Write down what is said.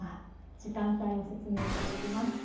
時間帯を説明していきます。